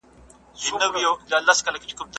د ماشوم د غاښونو پاکول منظم کړئ.